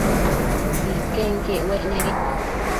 Iquenquiec uec nebi